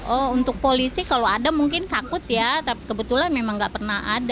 oh untuk polisi kalau ada mungkin takut ya kebetulan memang nggak pernah ada